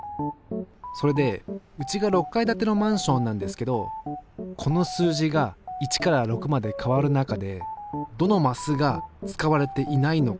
それでうちが６階建てのマンションなんですけどこの数字が１から６まで変わる中でどのマスが使われていないのか？